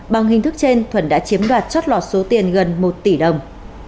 bằng hình thức trên thuẩn đã chiếm đoạt chót lọt số tiền gần một tỷ đồng